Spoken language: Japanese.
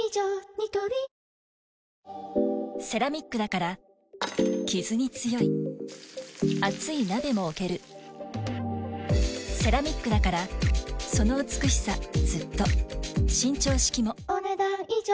ニトリセラミックだからキズに強い熱い鍋も置けるセラミックだからその美しさずっと伸長式もお、ねだん以上。